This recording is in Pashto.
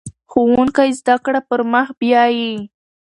ښوونکی زده کړه پر مخ بیايي.